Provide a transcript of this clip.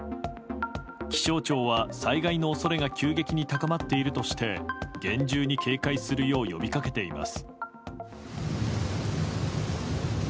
気象庁は災害の恐れが急激に高まっているとして厳重に警戒するよう呼び掛けています。